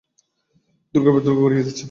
দূর্গের পর দূর্গ গুড়িয়ে দিচ্ছেন।